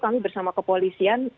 kami bersama kepolisian